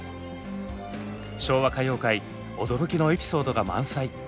昭和歌謡界驚きのエピソードが満載。